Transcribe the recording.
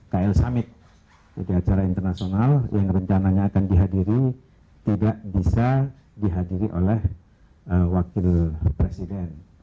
kl summit di acara internasional yang rencananya akan dihadiri tidak bisa dihadiri oleh wakil presiden